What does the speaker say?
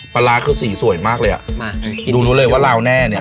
ปลาร้าคือสีสวยมากเลยอ่ะมาโอเครู้เลยว่าลาวแน่เนี้ย